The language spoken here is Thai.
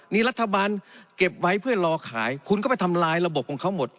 นี่รัฐบาลเก็บไว้เพื่อรอขายคุณก็ไปทำลายระบบของเขาหมด